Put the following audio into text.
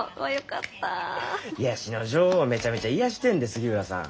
癒やしの女王めちゃめちゃ癒やしてんで杉浦さん。